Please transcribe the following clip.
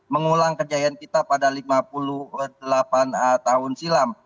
mengulang kejayaan kita pada lima puluh delapan tahun silam